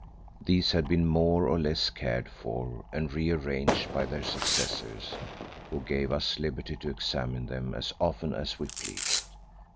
These had been more or less cared for and re arranged by their successors, who gave us liberty to examine them as often as we pleased.